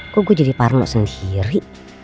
kok gue jadi parno sendiri